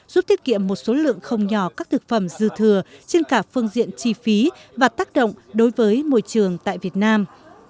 giúp tiết kiệm một số lượng không nhỏ các thực phẩm dư thừa trên cả phương diện chi phí và tác động đối với môi trường tại việt nam